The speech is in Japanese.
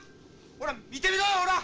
ほら見てみろよほら！